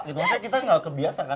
makanya kita nggak kebiasa kan